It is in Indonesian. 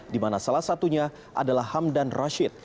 di mana salah satunya adalah hamdan rashid